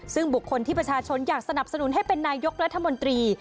ซึ่งบุคคลที่ประชาชนอยากสนับสนุนให้เป็นนายกรัฐมนตรี